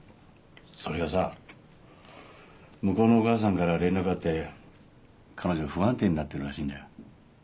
それがさ向こうのお母さんから連絡があって彼女不安定になってるらしいんだよ。